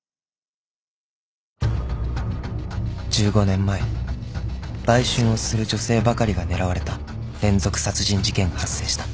［１５年前売春をする女性ばかりが狙われた連続殺人事件が発生した］